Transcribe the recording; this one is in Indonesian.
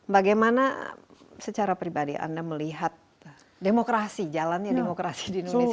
bagaimana secara pribadi anda melihat demokrasi jalannya demokrasi di indonesia